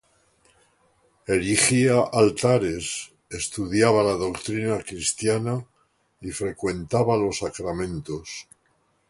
Erigía altares, estudiaba la doctrina cristiana y frecuentaba los sacramentos.